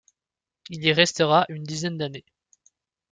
Il y restera une dizaine d’années.